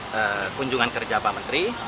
kunjungan kerja pak menteri